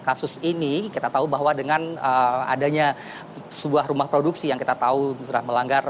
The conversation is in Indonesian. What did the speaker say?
kasus ini kita tahu bahwa dengan adanya sebuah rumah produksi yang kita tahu sudah melanggar